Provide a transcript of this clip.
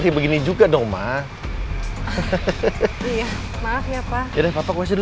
ma yakin disana toiletnya rusak